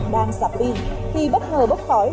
đang sạp pin khi bất ngờ bốc khói